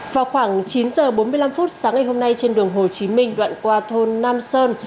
vào khoảng chín h bốn mươi năm sáng ngày hôm nay trên đường hồ chí minh đoạn qua thôn nam sơn